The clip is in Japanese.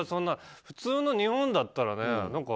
普通の日本だったらね。